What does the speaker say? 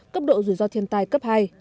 cấp độ rủi ro thiên tài cấp hai